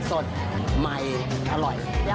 สดมัยอร่อย